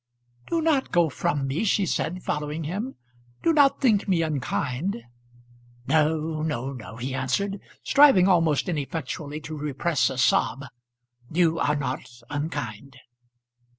"Do not go from me," she said, following him. "Do not think me unkind." "No, no, no," he answered, striving almost ineffectually to repress a sob. "You are not unkind."